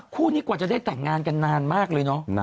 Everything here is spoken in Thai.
คู่นี้กว่าจะได้แต่งงานกันนานมากเลยเนาะ